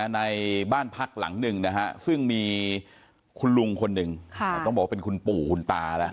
ในบ้านพักหลังหนึ่งนะฮะซึ่งมีคุณลุงคนหนึ่งต้องบอกว่าเป็นคุณปู่คุณตาแล้ว